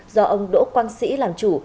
do ông đỗ quang sĩ làm chủ